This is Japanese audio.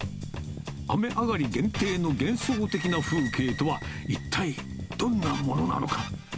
雨上がり限定の幻想的な風景とは、一体どんなものなのか。